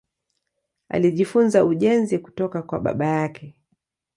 Alijifunza ujenzi kutoka kwa baba yake.